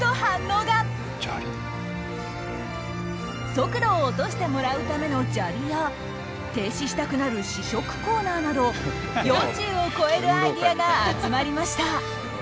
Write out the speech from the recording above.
「速度を落としてもらうための砂利」や「停止したくなる試食コーナー」など４０を超えるアイデアが集まりました。